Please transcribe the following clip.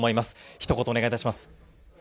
ひと言お願いいたします。